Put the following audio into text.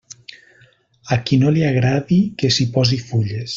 A qui no li agradi que s'hi posi fulles.